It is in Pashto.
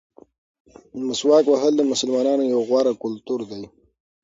مسواک وهل د مسلمانانو یو غوره کلتور دی.